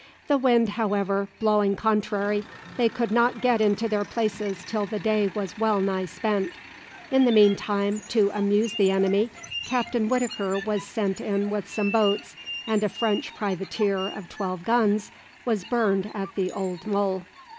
The wind, however, blowing contrary, they could not get into their places till the day was well nigh spent. In the meantime, to amuse the enemy, Captain Whitaker was sent in with some boats, and a French privateer of twelve guns was burned at the Old Mole.